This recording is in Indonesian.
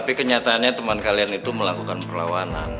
sebenarnya teman kalian itu melakukan perlawanan